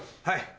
はい！